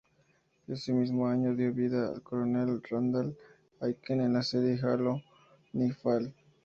Ese mismo año dio vida al coronel Randall Aiken en la serie "Halo: Nightfall".